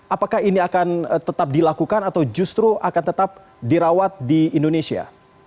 apakah ini akan tetap dilakukan atau justru akan tetap dirawat di indonesia